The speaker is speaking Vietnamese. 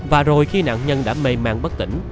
và rồi khi nạn nhân đã mềm mạng bất tỉnh